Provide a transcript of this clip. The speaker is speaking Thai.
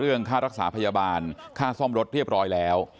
ค่ารักษาพยาบาลค่าซ่อมรถเรียบร้อยแล้ว